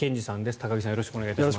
高木さんよろしくお願いします。